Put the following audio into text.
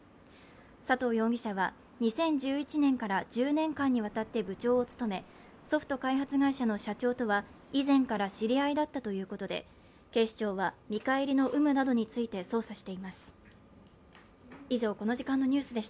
佐藤容疑者は２０１１年から１０年間にわたって部長を務め、ソフト開発会社の社長とは、以前から知り合いだったということで、警視庁は見返りの有無などについて捜査しています。